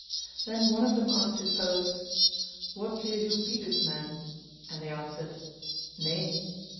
Then one of them asked his fellows, "Wot ye who be this man?" and they answered, "Nay."